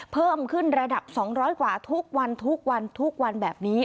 เพิ่มขึ้นระดับ๒๐๐กว่าทุกวันทุกวันทุกวันทุกวันแบบนี้